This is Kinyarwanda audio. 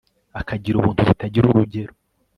akagira ubuntu butagira urugero